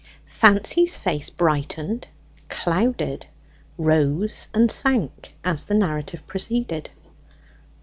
Fancy's face brightened, clouded, rose and sank, as the narrative proceeded.